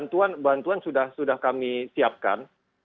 bantuan bantuan sudah kami siapkan